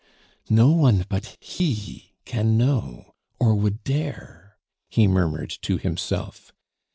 "No one but HE can know or would dare " he murmured to himself.